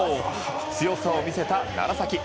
強さを見せた楢崎。